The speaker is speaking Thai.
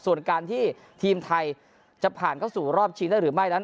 ส่วนการที่ทีมไทยจะผ่านเข้าสู่รอบชิงได้หรือไม่นั้น